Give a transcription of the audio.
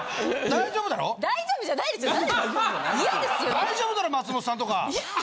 大丈夫だろ松本さんとか。